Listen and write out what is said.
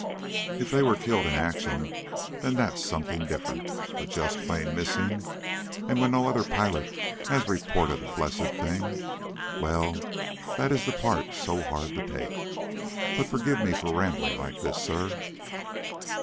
If they were killed in action, then that's something different. But just plain missing and when no other pilot has reported a blessed thing. Well, that is the part so hard to take. But forgive me for rambling like this, sir."